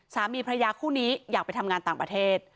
สามีพระยาคู่นี้อยากไปทำงานต่างประเทศ